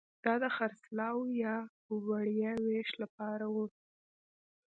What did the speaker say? دا د خرڅلاو یا وړیا وېش لپاره وو